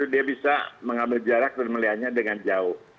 dia bisa mengambil jarak dan melihatnya dengan jauh